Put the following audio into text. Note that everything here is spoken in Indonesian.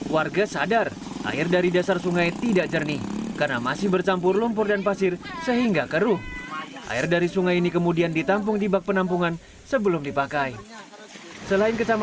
warga desa ini sudah mengalami krisis air bersih sejak dua bulan lalu